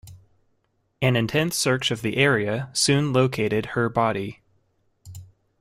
An intense search of the area soon located her body.